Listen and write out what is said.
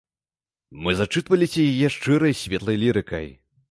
Мы зачытваліся яе шчырай, светлай лірыкай.